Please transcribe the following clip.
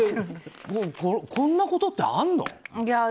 こんなことってあるの？